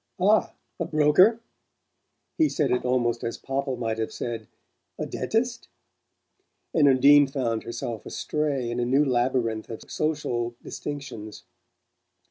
"Ah? A broker?" He said it almost as Popple might have said "A DENTIST?" and Undine found herself astray in a new labyrinth of social distinctions.